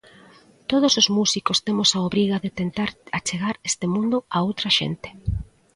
Todos os músicos temos a obriga de tentar achegar este mundo a outra xente.